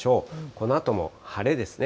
このあとも晴れですね。